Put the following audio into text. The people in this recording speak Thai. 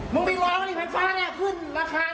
มึงเผ้ากันไง๔๙๒นั้นราคาขึ้นกันเท่านั้น